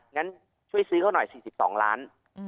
งั้นช่วยซื้อเขาหน่อย๔๒ล้าน